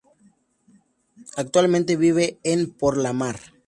Actualmente vive en Porlamar.